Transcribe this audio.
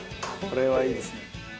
これはいいですね。